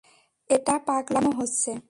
এটা পাগলামো হচ্ছে!